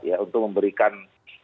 ya untuk memberikan